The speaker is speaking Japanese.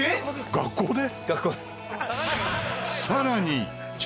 学校で！？